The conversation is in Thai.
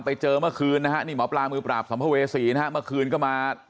ไปเจอเมื่อคืนนะฮะนี่หมอปลามือปราบสัมภเวษีนะฮะเมื่อคืนก็มา